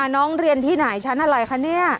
น้องเรียนที่ไหนชั้นอะไรคะเนี่ย